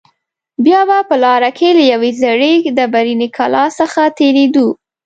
بیا به په لاره کې له یوې زړې ډبرینې کلا څخه تېرېدو.